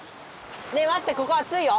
ねえまってここあついよ！